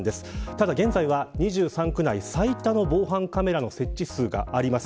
ただ、現在は２３区内最多の防犯カメラの設置数があります。